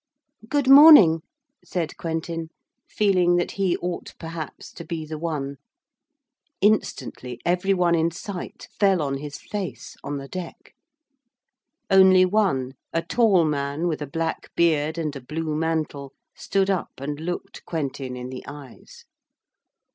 'Good morning,' said Quentin, feeling that he ought perhaps to be the one. Instantly every one in sight fell on his face on the deck. Only one, a tall man with a black beard and a blue mantle, stood up and looked Quentin in the eyes.